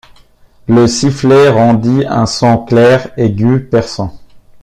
Le sifflet rendit un son clair, aigu, perçant.